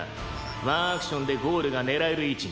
「ワンアクションでゴールが狙える位置に」